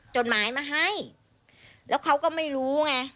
จดหมายมาให้แล้วเขาก็ไม่รู้ไง